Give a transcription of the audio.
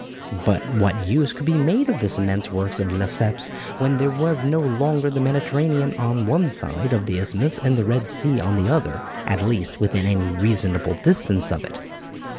But what use could be made of this immense work of Lesseps when there was no longer the Mediterranean on one side of the isthmus and the Red Sea on the other, at least, within any reasonable distance of it?